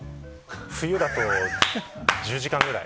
冬だと、１０時間ぐらい。